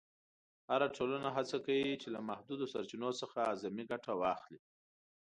هره ټولنه هڅه کوي چې له محدودو سرچینو څخه اعظمي ګټه واخلي.